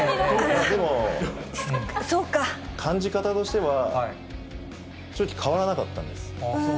でも感じ方としては、正直、変わらなかったんです。